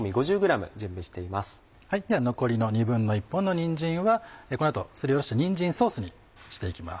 では残りの１／２本のにんじんはこの後すりおろしてにんじんソースにしていきます。